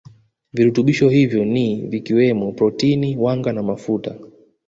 Virutunbisho hivyo ni vikiwemo protini wanga na mafuta